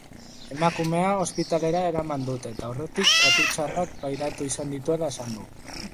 Emakumea ospitalera eraman dute eta aurretik tratu txarrak pairatu izan dituela esan du.